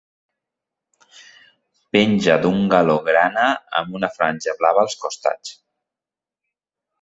Penja d'un galó grana amb una franja blava als costats.